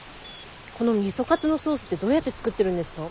このみそカツのソースってどうやって作ってるんですか？